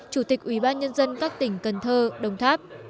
chủ tịch ubnd các tỉnh cần thơ đông tháp